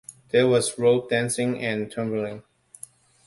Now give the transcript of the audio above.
There was rope-dancing and tumbling.